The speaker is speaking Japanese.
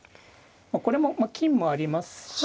これも金もありますし。